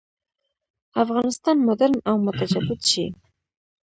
افغانستان مډرن او متجدد شي.